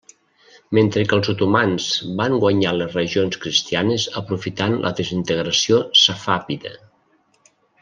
Mentre que els otomans van guanyar les regions cristianes aprofitant la desintegració safàvida.